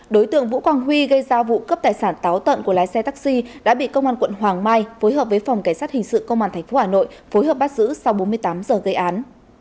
đối tượng vũ quang huy gây ra vụ cướp tài sản táo tận của lái xe taxi đã bị công an quận hoàng mai phối hợp với phòng cảnh sát hình sự công an tp hà nội phối hợp bắt giữ sau bốn mươi tám giờ gây án